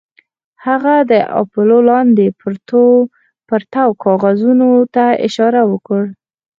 هغه د اپولو لاندې پرتو کاغذونو ته اشاره وکړه